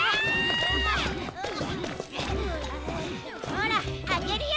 ほらあけるよ！